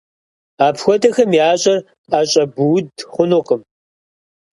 Апхуэдэхэм ящӏэр ӏэщӏэбууд хъунукъым.